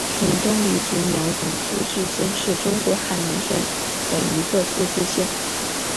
琼中黎族苗族自治县是中国海南省的一个自治县。